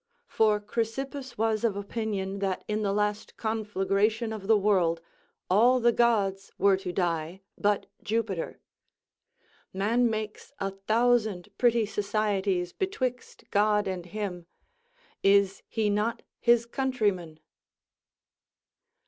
For Chrysippus was of opinion that in the last conflagration of the world all the gods were to die but Jupiter. Man makes a thousand pretty societies betwixt God and him; is he not his countryman?